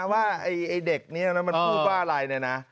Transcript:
ว่าไอ้เด็กนี้มันพูดว่าอะไรเนี่ยนะ